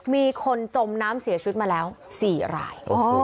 มีคนจมน้ำเสียชีวิตมาแล้ว๔ราย